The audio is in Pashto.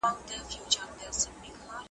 شپې په تمه د سهار یو ګوندي راسي `